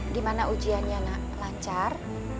gimana ujiannya nak lancar